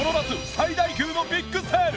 最大級のビッグセール！！